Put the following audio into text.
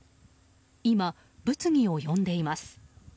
今、物議を読んでいます。